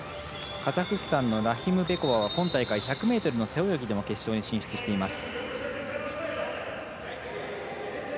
カザフスタンのラヒムベコワは今大会１００ｍの背泳ぎでも決勝に進出しています。